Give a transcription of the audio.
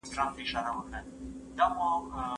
ایا نوي کروندګر پسته پلوري؟